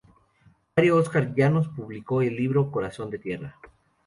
Mario Oscar Llanos publicó el libro "Corazón de Tierra.